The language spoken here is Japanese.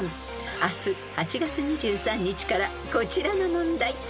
［明日８月２３日からこちらの問題］